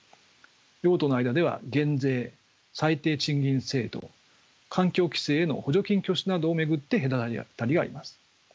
両党の間では減税最低賃金制度環境規制への補助金拠出などを巡って隔たりがあります。